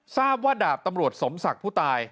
ทราบว่าดาบตำรวจสมศักดิ์ผู้ตาย